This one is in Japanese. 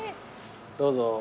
どうぞ。